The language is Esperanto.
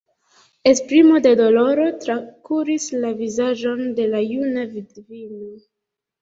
Esprimo de doloro trakuris la vizaĝon de la juna vidvino.